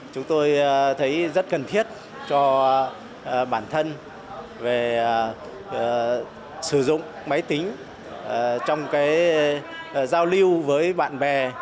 chúng tôi thấy rất cần thiết cho bản thân về sử dụng máy tính trong giao lưu với bạn bè